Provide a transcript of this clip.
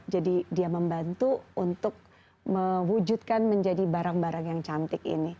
jadi dia membantu untuk mewujudkan menjadi barang barang yang cantik ini